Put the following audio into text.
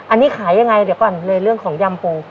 อันนี้ขายยังไงเดี๋ยวก่อนเลยเรื่องของยำปู